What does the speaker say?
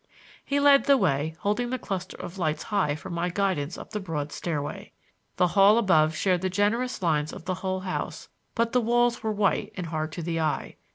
He led the way, holding the cluster of lights high for my guidance up the broad stairway. The hall above shared the generous lines of the whole house, but the walls were white and hard to the eye.